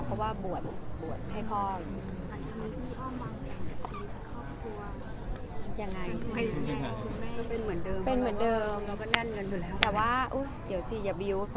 เพราะบวชให้พ่อ